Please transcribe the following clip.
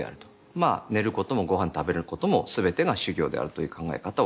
まあ寝ることもごはん食べることもすべてが修行であるという考え方をします。